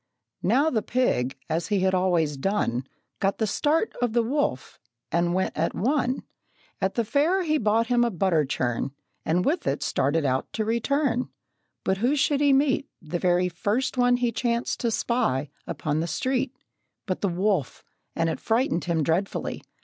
Now the pig, as he had always done, Got the start of the wolf, and went at one. At the fair he bought him a butter churn, And with it started out to return; But who should he meet The very first one he chanced to spy Upon the street, But the wolf! and it frightened him dreadfully.